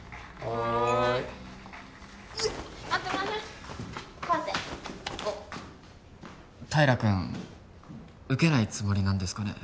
あっ平君受けないつもりなんですかね？